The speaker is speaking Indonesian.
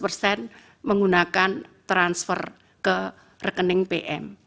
seratus persen menggunakan transfer ke rekening pm